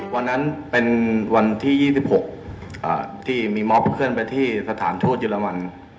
วันนั้นเป็นวันที่๒๖ที่มีมอบเคลื่อนไปที่สถานทูตเยอรมัน